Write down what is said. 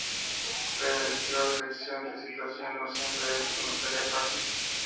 La efectiva selección de situación no siempre es una tarea fácil.